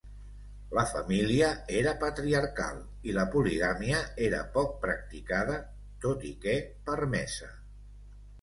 La família era patriarcal, i la poligàmia era poc practicada, tot i que permesa.